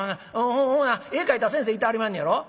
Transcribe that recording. ほな絵描いた先生いてはりまんのやろ。ね？